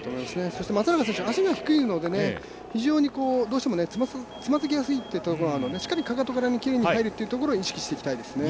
そして松永選手、足が低いので非常につまずきやすいっていうところがあって、しっかりかかとからきれいに入るっていうところを意識していきたいですね。